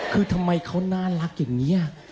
คือทำไมเขาน่ารักอย่างนี้